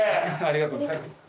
ありがとうございます。